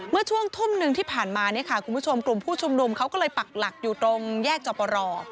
เมื่อช่วงทุ่มหนึ่งที่ผ่านมากลุ่มผู้ชุมนุมเขาก็เลยปักหลักอยู่ตรงแยกจบรอ